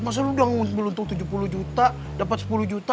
masa lu udah nguntuk tujuh puluh juta dapat sepuluh juta